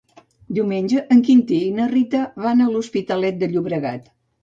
Diumenge en Quintí i na Rita van a l'Hospitalet de Llobregat.